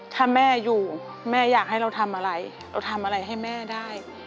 ถ้าแม่อยู่แม่อยากให้เราทำอะไรเราทำอะไรให้แม่ได้